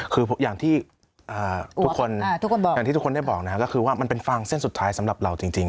คืออย่างที่ทุกคนอย่างที่ทุกคนได้บอกนะครับก็คือว่ามันเป็นฟางเส้นสุดท้ายสำหรับเราจริง